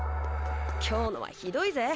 今日のはひどいぜ。